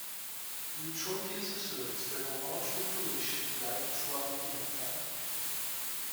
Eutropius asserts that a large population died throughout the Empire.